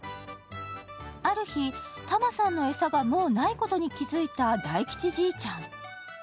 ある日、タマさんの餌がもうないことに気付いた大吉じいちゃん。